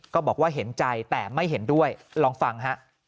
ก็บอกว่าเห็นใจแต่ไม่เห็นด้วยลองฟังฮะ